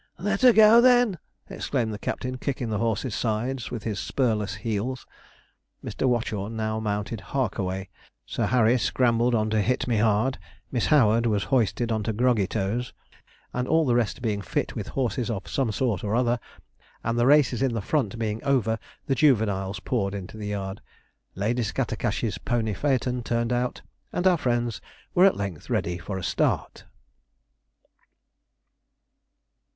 'Let her go, then!' exclaimed the captain, kicking the horse's sides with his spurless heels. Mr. Watchorn now mounted Harkaway; Sir Harry scrambled on to Hit me hard; Miss Howard was hoisted on to Groggytoes, and all the rest being 'fit' with horses of some sort or other, and the races in the front being over the juveniles poured into the yard. Lady Scattercash's pony phaeton turned out, and our friends were at length ready for a start.